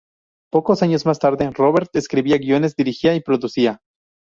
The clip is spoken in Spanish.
Pocos años más tarde, Robert escribía guiones, dirigía y producía.